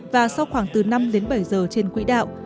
và sau khoảng từ năm đến bảy giờ trên quỹ đạo